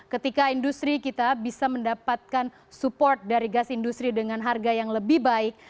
ketika industri kita bisa mendapatkan support dari gas industri dengan harga yang lebih baik